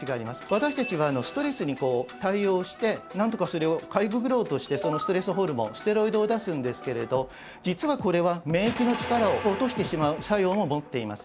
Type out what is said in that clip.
私たちはストレスに対応してなんとかそれをかいくぐろうとしてそのストレスホルモンステロイドを出すんですけれど実はこれは免疫の力を落としてしまう作用も持っています。